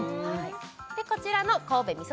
こちらの神戸味噌